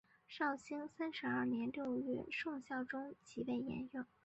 绍兴三十二年六月宋孝宗即位沿用。